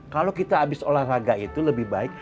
kalau kita habis olahraga itu lebih baik